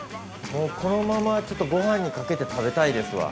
このままちょっとご飯にかけて食べたいですわ。